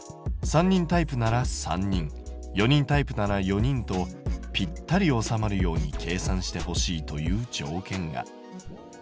３人タイプなら３人４人タイプなら４人とぴったり収まるように計算してほしいという条件が。